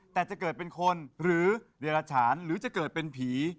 แต่จะเกิดเป็นคนหรือเดรฉานหรือจะเกิดเป็นผี